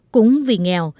cũng vì nghèo